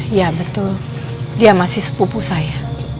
iya betul dia masih sepupu saya